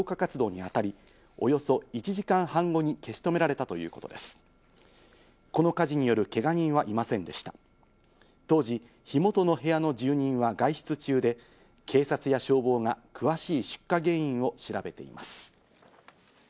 当時、火元の部屋の住人には外出中で、警察や消防が詳しい出火原因を調べています。